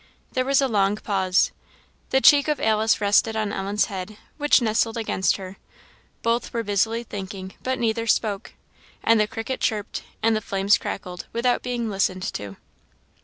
There was a long pause. The cheek of Alice rested on Ellen's head, which nestled against her; both were busily thinking, but neither spoke; and the cricket chirped, and the flames crackled, without being listened to.